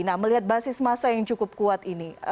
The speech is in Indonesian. nah melihat basis masa yang cukup kuat ini